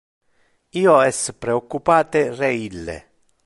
Io es preoccupate re ille.